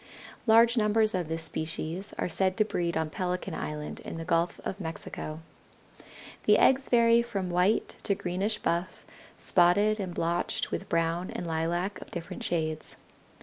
Large numbers of this species are said to breed on Pelican Island in the Gulf of Mexico. The eggs vary from white to greenish buff, spotted and blotched with brown and lilac of different shades.